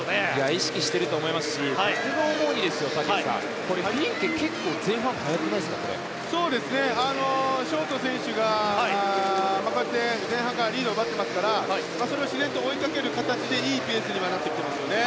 意識していると思いますし僕が思うにフィンケ、結構ショート選手がこうやって前半からリードを奪ってますからそれを自然と追いかける形でいいペースにはなってきていますね。